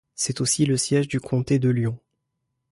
C'est aussi le siège du comté de Lyon.